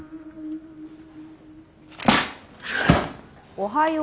おはよう。